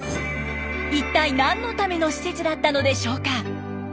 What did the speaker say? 一体何のための施設だったのでしょうか。